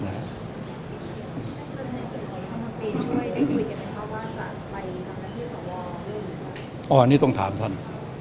อันนี้ต้องถามท่าน